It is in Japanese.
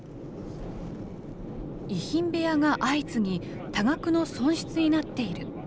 遺品部屋が相次ぎ、多額の損失になっている。